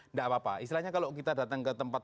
nggak apa apa istilahnya kalau kita datang ke tempat